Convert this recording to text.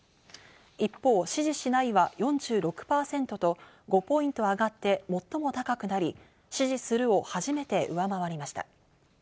一方、支持しないは４６％と５ポイント上がって最も高くなり、支持するを初めて上回りました。